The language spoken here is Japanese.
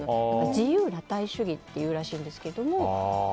自由裸体主義っていうらしいんですけど。